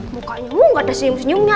mukanya nggak ada senyum senyumnya